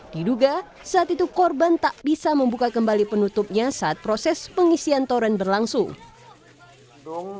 diduga saat itu korban tak bisa membuka kembali penutupnya saat proses pengisian toren berlangsung